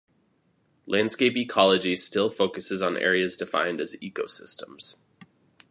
Landscape ecology still focuses on areas defined as ecosystems.